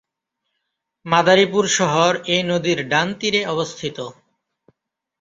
মাদারীপুর শহর এ নদীর ডান তীরে অবস্থিত।